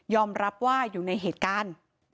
รับว่าอยู่ในเหตุการณ์